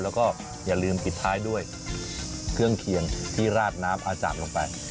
แล้วก็อย่าลืมปิดท้ายด้วยเครื่องเคียงที่ราดน้ำอาจาบลงไป